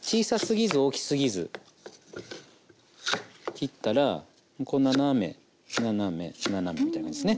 切ったらこう斜め斜め斜めみたいな感じっすね。